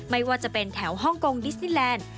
ไม่ว่าจะเป็นแถวฮ่องกงดิสนิแลนด์